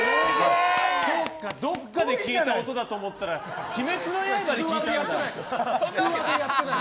どこかで聴いた音だと思ったら「鬼滅の刃」でちくわでやってない！